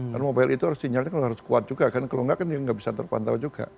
dan mobile itu harus sinyalnya kalau harus kuat juga kan kalau tidak kan tidak bisa terpantau juga